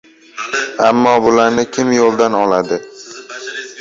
Ammo! Bularni kim yo‘ldan oladi?